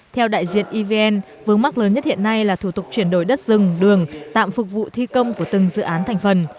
theo đại diện evn vướng mắc lớn nhất hiện nay là thủ tục chuyển đổi đất rừng đường tạm phục vụ thi công của từng dự án thành phần